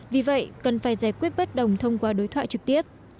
vì vậy cần phải giải quyết bất đồng thông qua đối thoại trực tiếp